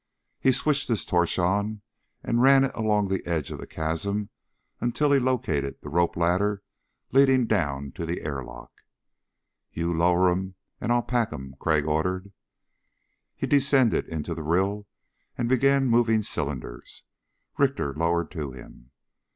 He switched his torch on and ran it along the edge of the chasm until he located the rope ladder leading down to the airlock. "You lower 'em and I'll pack 'em." Crag ordered. He descended into the rill and began moving the cylinders Richter lowered to him.